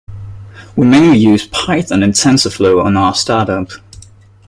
We mainly use Python and Tensorflow on our startup.